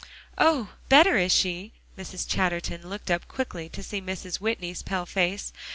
"Oh! better, is she?" Mrs. Chatterton looked up quickly to see Mrs. Whitney's pale face.